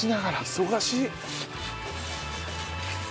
忙しい。